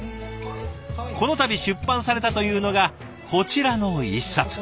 この度出版されたというのがこちらの一冊。